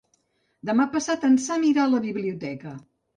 Demà passat en Sam irà a la biblioteca.